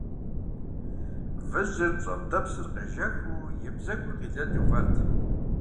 Выжьыр, пщӀэнтӀэпсыр къежэхыу, и бзэгур къилэлу вэрт.